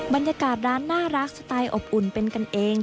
บรรยากาศร้านน่ารักสไตล์อบอุ่นเป็นกันเอง